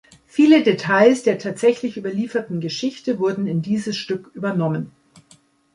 Viele Details der tatsächlich überlieferten Geschichte wurden in dieses Stück übernommen.